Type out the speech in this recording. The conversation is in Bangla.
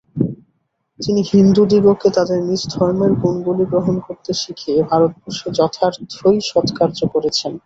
তিনি হিন্দুদিগকে তাদের নিজ ধর্মের গুণগুলি গ্রহণ করতে শিখিয়ে ভারতবর্ষে যথার্থই সৎকার্য করেছেন।